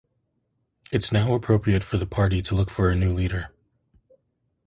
It's now appropriate for the party to look for a new leader.